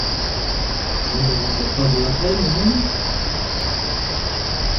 Je ne vous fais pas de la peine au moins ?